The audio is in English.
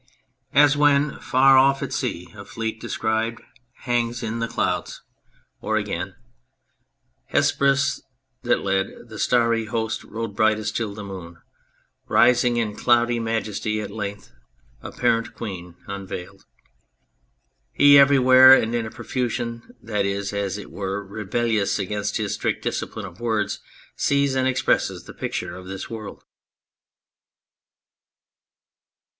As when far off at sea a fleet descri'd Hangs in the clouds .... or, again, .... Hesperus, that led The Starry Host, rode brightest 'til the Moon, Rising in cloudy majesty, at length Apparent Queen, unveiled .... He everywhere, and in a profusion that is, as it were, rebellious against his strict discipline of words, sees and expresses the picture of this world.